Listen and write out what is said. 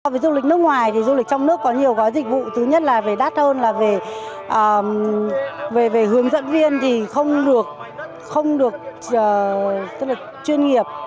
với du lịch nước ngoài thì du lịch trong nước có nhiều gói dịch vụ thứ nhất là về đắt hơn là về hướng dẫn viên thì không được chuyên nghiệp